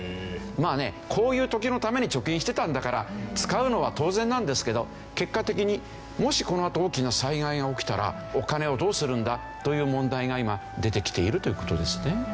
まあねこういう時のために貯金してたんだから使うのは当然なんですけど結果的にもしこのあと大きな災害が起きたらお金をどうするんだ？という問題が今出てきているという事ですね。